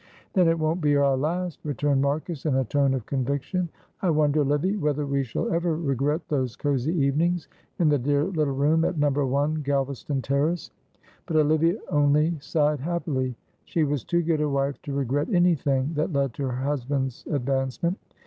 "Then it won't be our last," returned Marcus, in a tone of conviction. "I wonder, Livy, whether we shall ever regret those cosy evenings in the dear little room at No. 1, Galvaston Terrace," but Olivia only sighed happily. She was too good a wife to regret anything that led to her husband's advancement.